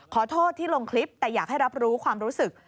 ขอโทษที่ลงคลิปแต่อยากให้รับรู้ความรู้สึก